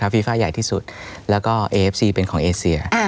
ฟีฟ่าใหญ่ที่สุดแล้วก็เอฟซีเป็นของเอเซีย